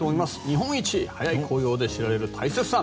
日本一早い紅葉で知られる大雪山